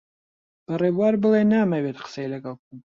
بە ڕێبوار بڵێ نامەوێت قسەی لەگەڵ بکەم.